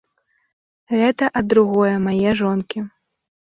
Гэта ад другое мае жонкі.